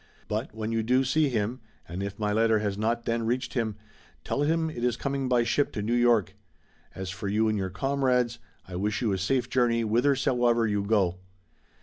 But, when you do see him, and if my letter has not then reached him, tell him it is coming by ship to New York. As for you and your comrades, I wish you a safe journey whithersoever you go.